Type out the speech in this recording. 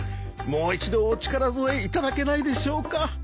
もう一度お力添えいただけないでしょうか？